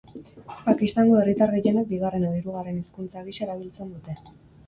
Pakistango herritar gehienek bigarren edo hirugarren hizkuntza gisa erabiltzen dute.